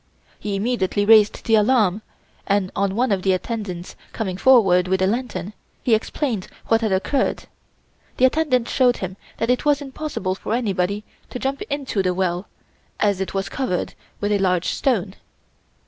He immediately raised the alarm, and on one of the attendants coming forward with a lantern, he explained what had occurred. The attendant showed him that it was impossible for anybody to jump into the well, as it was covered with a large stone.